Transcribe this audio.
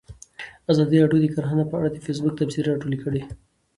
ازادي راډیو د کرهنه په اړه د فیسبوک تبصرې راټولې کړي.